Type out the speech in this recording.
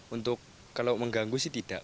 untuk kalau mengganggu sih tidak